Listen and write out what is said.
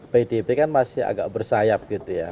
pdip kan masih agak bersayap gitu ya